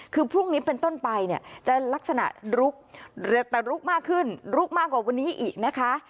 คือพรุ่งนี้เป็นต้นไปเนี่ยจะลักษณะลุกแต่ลุกมากขึ้นลุกมากกว่าวันนี้อีกนะคะ